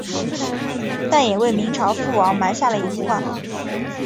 但也为明朝覆亡埋下了隐患。